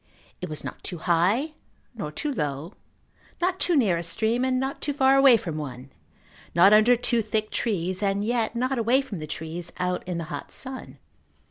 It was not too high nor too low, not too near a stream and not too far away from one, not under too thick trees and yet not away from the trees out in the hot sun.